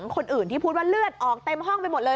คนอื่นที่พูดว่าเลือดออกเต็มห้องไปหมดเลย